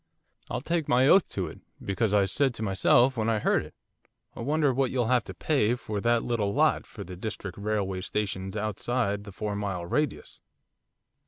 'I'll take my oath to it, because I said to myself, when I heard it, "I wonder what you'll have to pay for that little lot, for the District Railway Station's outside the four mile radius."